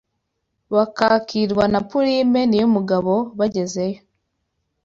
bakakirwa na Purime Niyomugabo bagezeyo